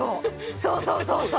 そうそうそうそう。